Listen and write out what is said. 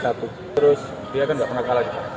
terus dia kan nggak pernah kalah juga